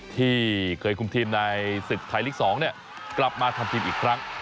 ที่เกิดคุมทีมในสิบไทษลิงค์สองเนี่ยกลับมาทำทีมอีกครั้ง